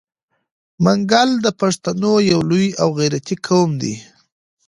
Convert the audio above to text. منګل د پښتنو یو لوی او غیرتي قوم دی.